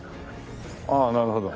ああなるほど。